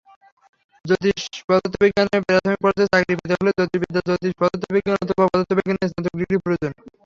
জ্যোতিঃপদার্থবিজ্ঞানে প্রাথমিক পর্যায়ের চাকরি পেতে হলে জ্যোতির্বিদ্যা, জ্যোতিঃপদার্থবিজ্ঞান অথবা পদার্থবিজ্ঞানে স্নাতক ডিগ্রি প্রয়োজন।